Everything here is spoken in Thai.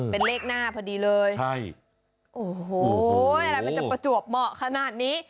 เป็นเลขหน้าพอดีเลยใช่โอ้โหอะไรมันจะประจวบเหมาะขนาดนี้